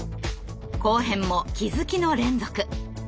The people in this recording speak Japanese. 後編も気づきの連続。